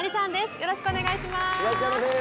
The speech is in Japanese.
よろしくお願いします。